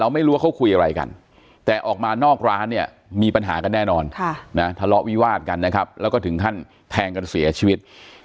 มานอกร้านเนี่ยมีปัญหากันแน่นอนทะเลาะวิวาสกันนะครับแล้วก็ถึงขั้นแทงกันเสียชีวิต